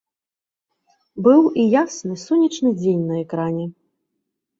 Быў і ясны, сонечны дзень на экране.